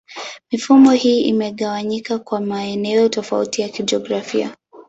Mifumo hii imegawanyika kwa maeneo tofauti ya kijiografia.